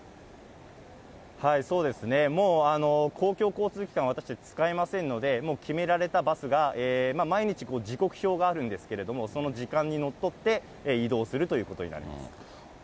そうですね、公共交通機関は私たち使えませんので、決められたバスが、毎日時刻表があるんですけれども、その時間にのっとって移動するということになります。